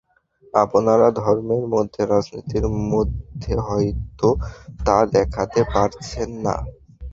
আপনারা ধর্মের মধ্যে, রাজনীতির মধ্যে হয়তো তা দেখতে পাচ্ছেন না।